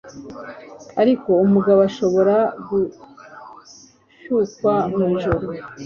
ariko umugabo ashobora gushyukwa mu ijoro